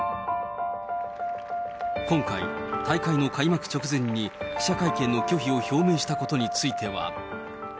今回、大会の開幕直前に記者会見の拒否を表明したことについては。